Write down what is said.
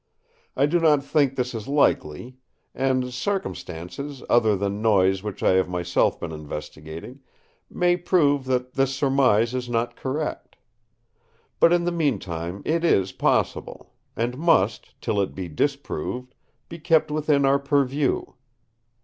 I do not think this is likely; and circumstances, other than those which I have myself been investigating, may prove that this surmise is not correct. But in the meantime it is possible; and must, till it be disproved, be kept within our purview."